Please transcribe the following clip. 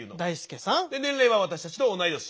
年齢は私たちと同い年。